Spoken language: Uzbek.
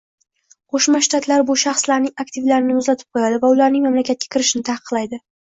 Qo'shma Shtatlar bu shaxslarning aktivlarini muzlatib qo'yadi va ularning mamlakatga kirishini taqiqlaydi